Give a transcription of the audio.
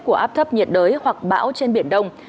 của áp thấp nhiệt đới hoặc bão trên biển đông